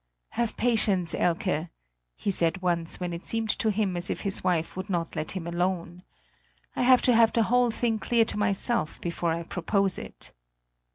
"Have patience, Elke," he said once when it seemed to him as if his wife would not let him alone; "I have to have the whole thing clear to myself before I propose it."